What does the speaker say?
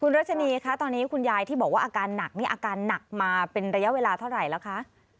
รัชนีคะตอนนี้คุณยายที่บอกว่าอาการหนักนี่อาการหนักมาเป็นระยะเวลาเท่าไหร่แล้วคะ